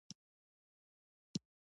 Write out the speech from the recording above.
ټوله کیسه په لنډ مضمون کې نه ځاییږي.